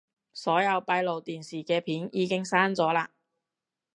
所有閉路電視嘅片已經刪咗喇